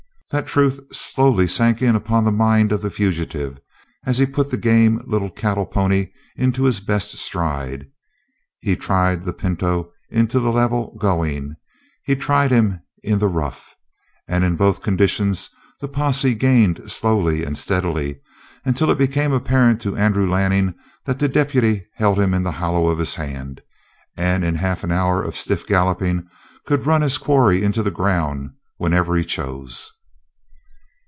That truth slowly sank in upon the mind of the fugitive as he put the game little cattle pony into his best stride. He tried the pinto in the level going. He tried him in the rough. And in both conditions the posse gained slowly and steadily, until it became apparent to Andrew Lanning that the deputy held him in the hollow of his hand, and in half an hour of stiff galloping could run his quarry into the ground whenever he chose.